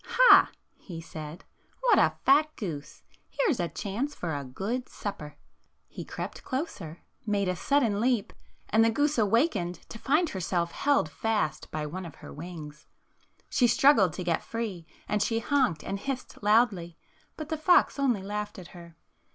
'' Ha !" he said, "what a fat goose ! Here 's a chance for a good supper." 30 Fairy Tale Foxes He crept closer, made a sudden leap, and the goose awakened to find herself held fast by one of her wings. She struggled to get free, and she honked and hissed loudly, but the fox only laughed at her.